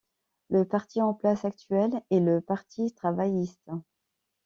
Le parti en place actuellement est le Parti travailliste.